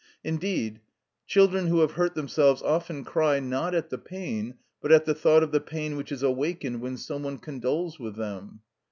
Indeed, children who have hurt themselves often cry, not at the pain, but at the thought of the pain which is awakened when some one condoles with them.